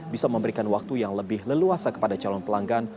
bisa memberikan waktu yang lebih leluasa kepada calon pelanggan